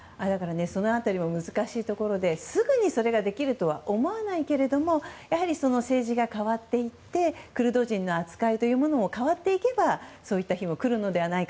その辺りも難しいところですぐに、それができるとは思わないけれどもやっぱり政治が変わっていってクルド人の扱いというものも変わっていけばその日も来るのではないか。